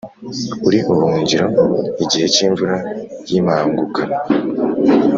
Uri ubuhungiro igihe cy’imvura y’impangukano,